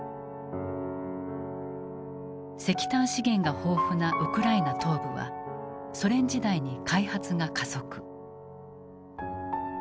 石炭資源が豊富なウクライナ東部はソ連時代に開発が加速。